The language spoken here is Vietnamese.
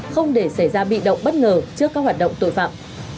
không để xảy ra bị động bất ngờ trước các hoạt động tội phạm